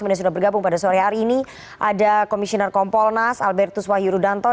menyesua bergabung pada sore hari ini ada komisioner kompol nas albertus wahyu rudanto